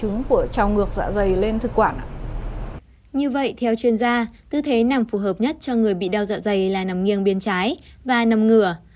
như vậy theo chuyên gia tư thế nằm phù hợp nhất cho người bị đeo dạ dày là nằm nghiêng bên trái và nằm ngửa